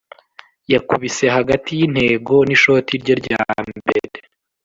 yakubise hagati yintego nishoti rye rya mbere